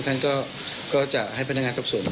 ท่านก็จะให้ฮศได้แจ้งครูมา